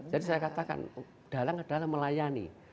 jadi saya katakan dalang adalah melayani